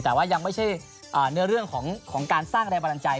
แต่ว่ายังไม่ใช่เนื้อเรื่องของการสร้างแรงบันดาลใจ